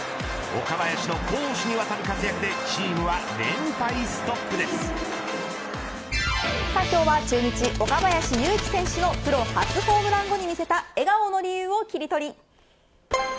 岡林の攻守にわたる活躍で今日は中日、岡林選手がプロ初ホームランで見せた笑顔を切り取り。